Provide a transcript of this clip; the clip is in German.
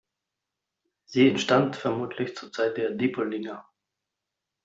Sie entstand vermutlich zur Zeit der Diepoldinger.